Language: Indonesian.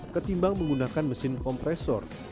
ketimbang menggunakan mesin kompresor